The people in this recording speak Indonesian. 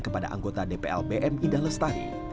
kepada anggota dplbm indah lestari